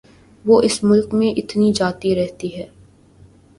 وہ اس ملک میں آتی جاتی رہتی ہے